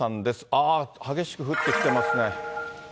ああ、激しく降ってきてますね。